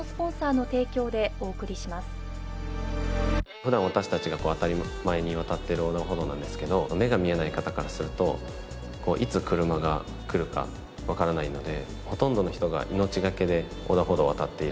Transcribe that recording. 普段私たちが当たり前に渡っている横断歩道なんですけど目が見えない方からするといつ車が来るかわからないのでほとんどの人が命懸けで横断歩道を渡っている。